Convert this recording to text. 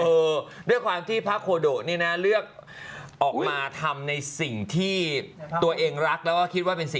เออด้วยความที่พระโคโดเนี่ยนะเลือก